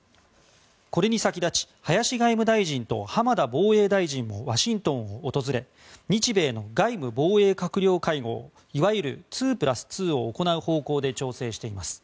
これに先立ち林外務大臣と浜田防衛大臣もワシントンを訪れ日米の外務・防衛閣僚会合いわゆる２プラス２を行う方向で調整しています。